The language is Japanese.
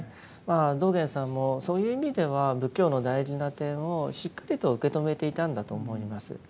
道元さんもそういう意味では仏教の大事な点をしっかりと受け止めていたんだと思います。